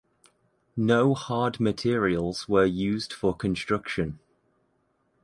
No hard materials were used for construction.